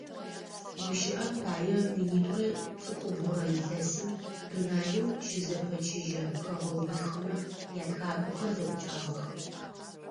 Гущыӏэм пае, минитӏурэ пшӏыкӏубгъурэ илъэсым дунаим щызэпэчыжьэ хэгъэгуихмэ ятхакӏохэр зэӏукӏагъэх.